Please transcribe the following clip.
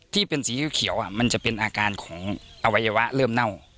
ที่เป็นสีเขียวมันจะเป็นอาการของอวัยวะเริ่มเน่า